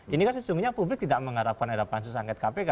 ini kan sesungguhnya publik tidak mengharapkan ada pansus angket kpk